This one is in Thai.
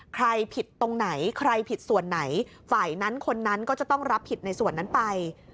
ใครผิดตรงไหนใครผิดส่วนไหนฝ่ายนั้นคนนั้นก็จะต้องรับผิดในส่วนนั้นไป